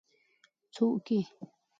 څوک يې ؟